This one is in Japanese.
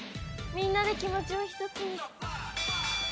みんなで気持ちを一つに。